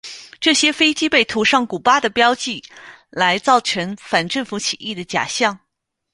这些飞机被涂上古巴的标记来造成反政府起义的假象。